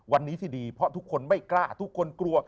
วันนี้ที่ดีเพราะทุกคนไม่กล้าทุกคนกลัว